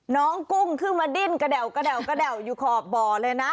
กุ้งขึ้นมาดิ้นกระแวกระแด่วกระแด่วอยู่ขอบบ่อเลยนะ